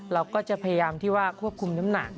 เราก็จะพยายามที่ว่าควบคุมน้ำหนัก